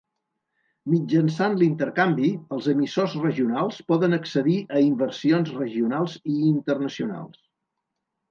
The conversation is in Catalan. Mitjançant l'intercanvi, els emissors regionals poden accedir a inversions regionals i internacionals.